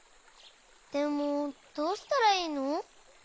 でもどうしたらいいの？